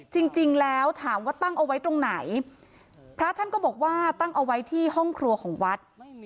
จริงแล้วถามว่าตั้งเอาไว้ตรงไหนพระท่านก็บอกว่าตั้งเอาไว้ที่ห้องครัวของวัด